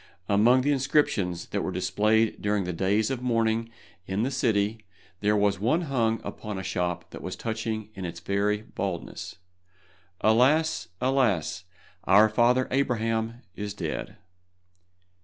Among the inscriptions that were displayed during the days of mourning in the city there was one hung upon a shop that was touching in its very baldness: "Alas! alas! our father Abraham is dead."